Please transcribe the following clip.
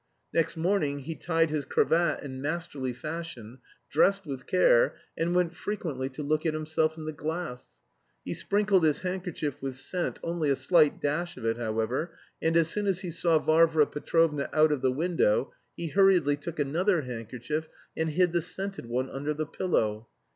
Next morning he tied his cravat in masterly fashion, dressed with care, and went frequently to look at himself in the glass. He sprinkled his handkerchief with scent, only a slight dash of it, however, and as soon as he saw Varvara Petrovna out of the window he hurriedly took another handkerchief and hid the scented one under the pillow.